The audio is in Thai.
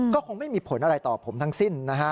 ก็คงไม่มีผลอะไรต่อผมทั้งสิ้นนะฮะ